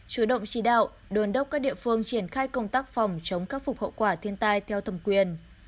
chủ động chỉ đạo đồn đốc các địa phương triển khai công tác phòng chống khắc phục hậu quả thiên tai theo thẩm quyền